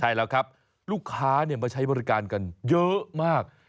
ใช่แล้วครับลูกค้ามาใช้บริการกันเยอะมาก